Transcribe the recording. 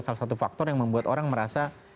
salah satu faktor yang membuat orang merasa